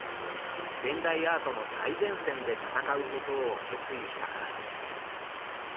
現代アートの最前線で戦うことを決意したからです。